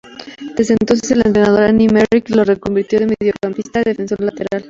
Desde entonces, el entrenador Ernie Merrick lo reconvirtió de mediocampista a defensor lateral.